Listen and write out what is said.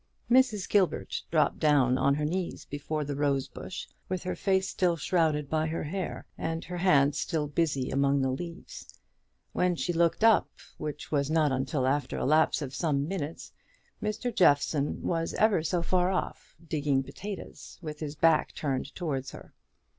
Mrs. Gilbert dropped down on her knees before the rose bush, with her face still shrouded by her hair, and her hands still busy among the leaves. When she looked up, which was not until after a lapse of some minutes, Mr. Jeffson was ever so far off, digging potatoes, with his back turned towards her.